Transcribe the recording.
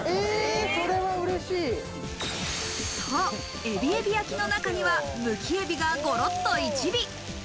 そう、えびえび焼の中には、むきえびが、ごろっと１尾。